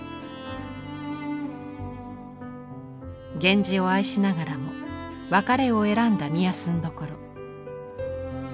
源氏を愛しながらも別れを選んだ御息所。